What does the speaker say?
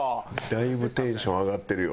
だいぶテンション上がってるよ